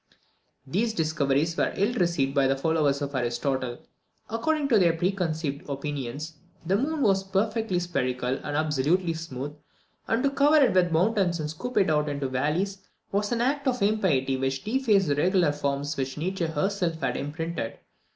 These discoveries were ill received by the followers of Aristotle. According to their preconceived opinions, the moon was perfectly spherical, and absolutely smooth; and to cover it with mountains, and scoop it out into valleys, was an act of impiety which defaced the regular forms which Nature herself had imprinted.